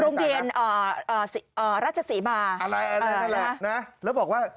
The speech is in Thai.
โรงเกณฑ์ราชศรีบาอะไรแล้วบอกว่า